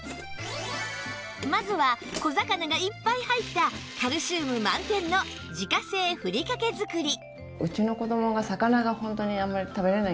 まずは小魚がいっぱい入ったカルシウム満点の自家製ふりかけ作り